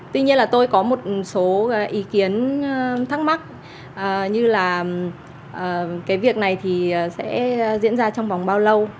tuy nhiên là tôi có một số ý kiến thắc mắc như là cái việc này thì sẽ diễn ra trong vòng bao lâu